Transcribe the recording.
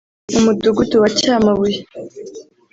Umudugudu wa Cyamabuye